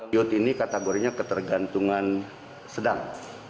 biote ini kategorinya ketergantungan sedang